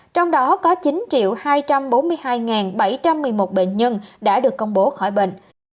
trong đó có chín hai trăm bốn mươi hai bảy trăm một mươi một bệnh nhân đã được công bố khỏi bệnh